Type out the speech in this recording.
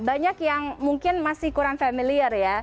banyak yang mungkin masih kurang familiar ya